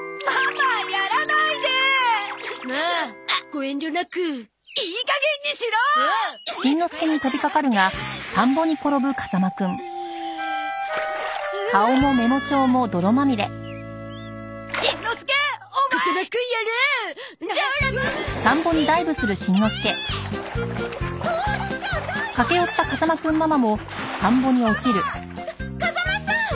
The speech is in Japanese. ママ！か風間さん！